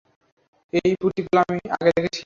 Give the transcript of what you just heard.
এই প্রতীকগুলো আমি আগে দেখেছি।